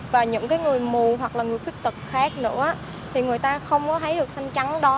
và những người mù hoặc là người khuyết tật khác nữa thì người ta không có thấy được xanh trắng đó